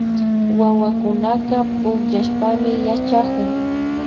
Wawakunaka pukllashpami yachakun